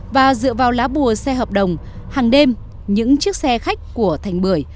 và dựa vào lá bùa xe hợp đồng hàng đêm những chiếc xe khách của thành bưởi